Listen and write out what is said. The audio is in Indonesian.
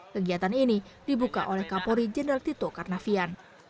kegiatan ini dibuka oleh kapolri jenderal tito karnavian